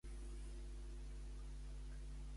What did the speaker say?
Què no vol que facin els Mossos d'Esquadra?